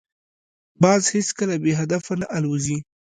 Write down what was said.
باز هیڅکله بې هدفه نه الوزي